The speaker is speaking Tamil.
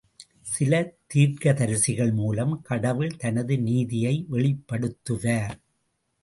சில தீர்க்கதரிசிகள் மூலம் கடவுள் தனது நீதியை வெளிப்படுத்துவார்.